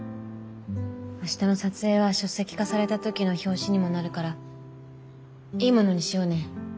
明日の撮影は書籍化された時の表紙にもなるからいいものにしようね。